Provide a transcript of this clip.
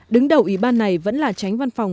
đứng đầu ủy ban này vẫn là tránh văn phòng